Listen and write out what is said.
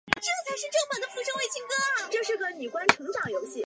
家纹是六鸠酢草纹。